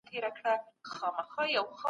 د بازار موندنې څېړني ډېري مهمې دي.